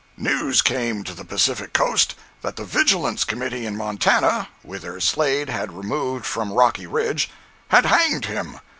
News came to the Pacific coast that the Vigilance Committee in Montana (whither Slade had removed from Rocky Ridge) had hanged him.